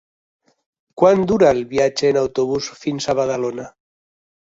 Quant dura el viatge en autobús fins a Badalona?